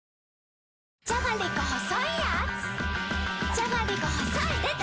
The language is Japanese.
じゃがりこ細いでた‼